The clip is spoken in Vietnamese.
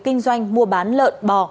kinh doanh mua bán lợn bò